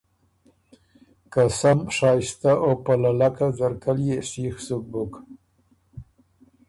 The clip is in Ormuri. که سم شائستۀ او په للکه ځرکۀ ليې سیخ سُک بُک۔